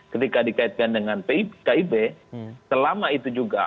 ketika dikaitkan dengan kib selama itu juga